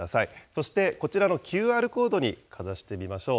そしてこちらのＱＲコードにかざしてみましょう。